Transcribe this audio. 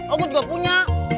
aku juga punya